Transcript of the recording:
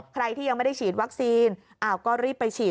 ใครที่ยังไม่ได้ฉีดวัคซีนก็รีบไปฉีด